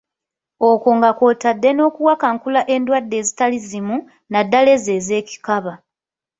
Okwo nga kw'otadde n'okuwakankula endwadde ezitali zimu, naddala ezo ez'ekikaba.